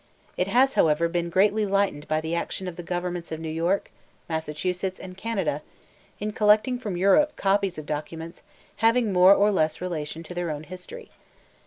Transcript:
It has, however, been greatly lightened by the action of the governments of New York, Massachusetts, and Canada, in collecting from Europe copies of documents having more or less relation to their own history.